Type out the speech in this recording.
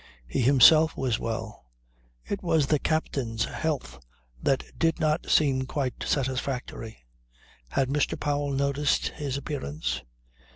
He himself was well. It was the captain's health that did not seem quite satisfactory. Had Mr. Powell noticed his appearance?